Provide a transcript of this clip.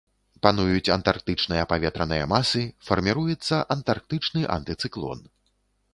Пануюць антарктычныя паветраныя масы, фарміруецца антарктычны антыцыклон.